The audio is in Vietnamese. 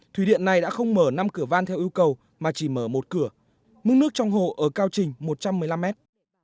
thủy điện này đã không mở năm cửa van theo yêu cầu mà chỉ mở một cửa mức nước trong hồ ở cao trình một trăm một mươi năm mét